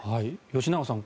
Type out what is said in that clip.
吉永さん